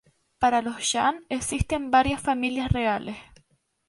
Para los shan existen varias Familias Reales.